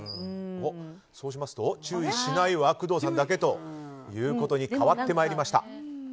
そうしますと注意しないは工藤さんだけに変わってまいりました。